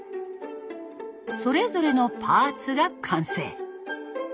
それぞれのパーツが完成。